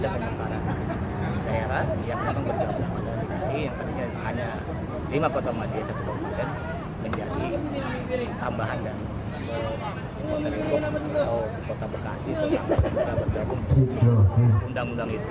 akan menjadi tambahan dan pemerintah kota bekasi untuk bergabung ke undang undang itu